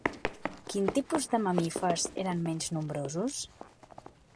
Quin tipus de mamífers eren menys nombrosos?